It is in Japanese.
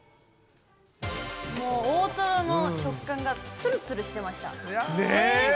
もう大トロの食感がつるつるしてました。